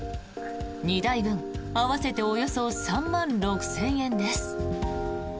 ２台分、合わせておよそ３万６０００円です。